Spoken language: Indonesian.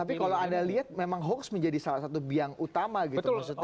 tapi kalau anda lihat memang hoax menjadi salah satu biang utama gitu maksudnya